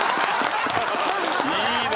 「いいね！